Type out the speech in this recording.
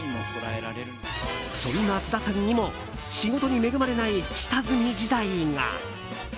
そんな津田さんにも仕事に恵まれない下積み時代が。